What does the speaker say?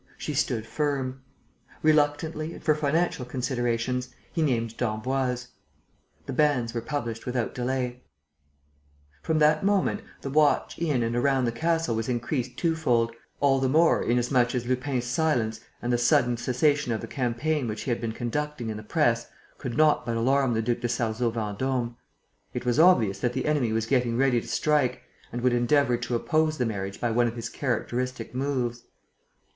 She stood firm. Reluctantly and for financial considerations, he named d'Emboise. The banns were published without delay. From that moment, the watch in and around the castle was increased twofold, all the more inasmuch as Lupin's silence and the sudden cessation of the campaign which he had been conducting in the press could not but alarm the Duc de Sarzeau Vendôme. It was obvious that the enemy was getting ready to strike and would endeavour to oppose the marriage by one of his characteristic moves.